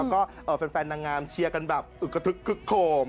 แล้วก็แฟนนางงามเชียร์กันแบบอึกกระทึกคึกโคม